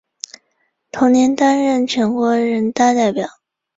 同年担任全国人大代表。